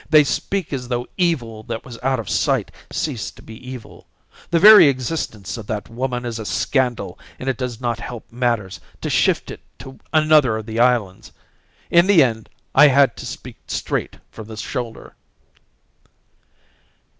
They speak as though evil that was out of sight ceased to be evil. The very existence of that woman is a scandal and it does not help matters to shift it to another of the islands. In the end I had to speak straight from the shoulder."